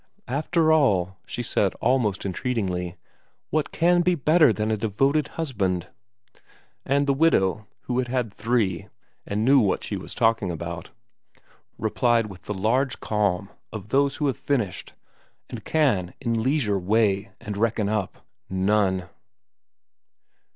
' After all,' she said almost entreatingly, ' what can be better than a devoted husband ?' And the widow, who had had three and knew what she was talking about, replied with the large calm of those who have finished and can in leisure weigh and reckon up :' None.'